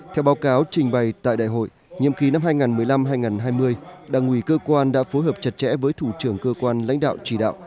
theo báo cáo trình bày tại đại hội nhiệm kỳ năm hai nghìn một mươi năm hai nghìn hai mươi đảng ủy cơ quan đã phối hợp chặt chẽ với thủ trưởng cơ quan lãnh đạo chỉ đạo